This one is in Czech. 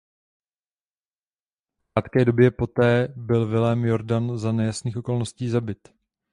V krátké době poté byl Vilém Jordan za nejasných okolností zabit.